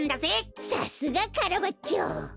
さすがカラバッチョ。